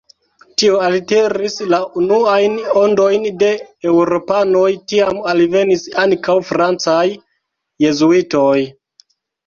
Tio altiris la unuajn ondojn de eŭropanoj, tiam alvenis ankaŭ francaj jezuitoj.